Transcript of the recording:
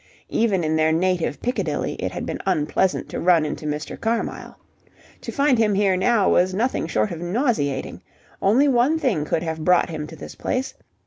Even in their native Piccadilly it had been unpleasant to run into Mr. Carmyle. To find him here now was nothing short of nauseating. Only one thing could have brought him to this place.